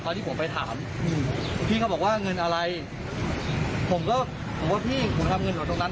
ที่ผมไปถามอืมพี่เขาบอกว่าเงินอะไรผมก็ผมว่าพี่ผมทำเงินอยู่ตรงนั้น